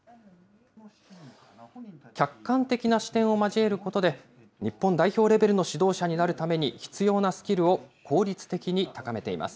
客観的な視点を交えることで、日本代表レベルの指導者になるために必要なスキルを効率的に高めています。